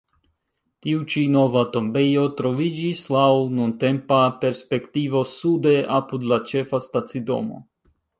Tiu ĉi nova tombejo troviĝis laŭ nuntempa perspektivo sude apud la ĉefa stacidomo.